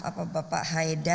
apa bapak haidar ada ya